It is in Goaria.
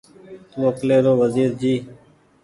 تو اڪلي رو وزير جي